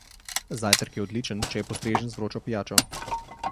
Zajtrk je odličen, če je postrežen z vročo pijačo.